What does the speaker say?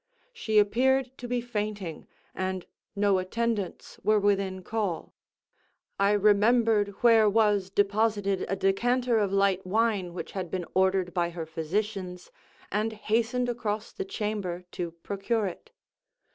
She appeared to be fainting, and no attendants were within call. I remembered where was deposited a decanter of light wine which had been ordered by her physicians, and hastened across the chamber to procure it.